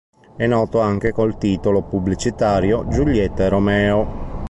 È noto anche col titolo pubblicitario Giulietta e Romeo.